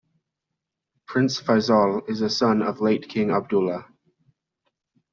Prince Faisal is a son of late King Abdullah.